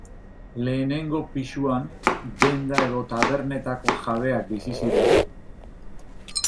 Lehenengo pisuan, denda edo tabernetako jabeak bizi ziren.